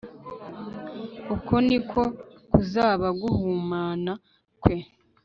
uko ni ko kuzaba guhumana kwe